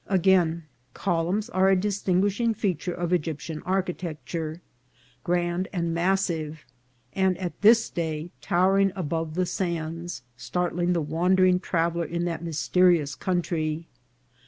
Again: columns are a distinguishing feature of Egyp tian architecture, grand and massive, and at this day towering above the sands, startling the wondering trav eller in that mysterious country.